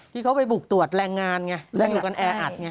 ที่เขาไปบุกตรวจแรงงานไงแรงงานแอร์อัดไง